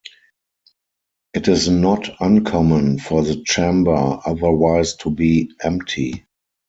It is not uncommon for the Chamber otherwise to be empty.